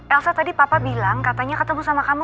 elsa tadi papa bilang katanya ketemu sama kamu